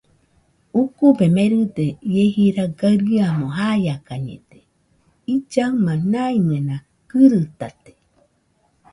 Ukube meride ie jira gaɨriamo jaiakañede; illaɨma maimɨena gɨritate